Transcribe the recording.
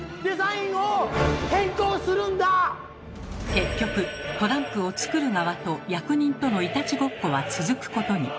結局トランプを作る側と役人とのいたちごっこは続くことに。